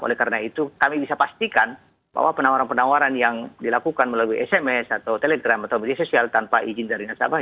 oleh karena itu kami bisa pastikan bahwa penawaran penawaran yang dilakukan melalui sms atau telegram atau media sosial tanpa izin dari nasabah